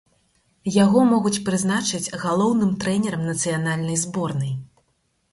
Яго могуць прызначыць галоўным трэнерам нацыянальнай зборнай.